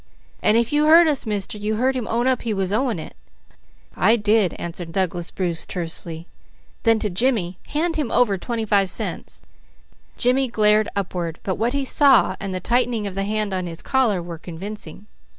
"And if you heard us, Mister, you heard him own up he was owing it." "I did," answered Douglas Bruce tersely. Then to Jimmy: "Hand him over twenty five cents." Jimmy glared upward, but what he saw and the tightening of the hand on his collar were convincing.